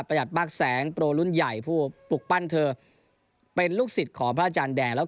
มากแสงโปรรุ่นใหญ่ผู้ปลูกปั้นเธอเป็นลูกศิษย์ของพระอาจารย์แดงแล้ว